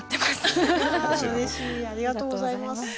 ありがとうございます。